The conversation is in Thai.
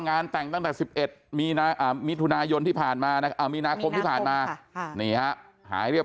งานแต่งตั้งจาก๑๑มีทุนายนที่ผ่านมามีนาคมผ่านมาหายเรียบ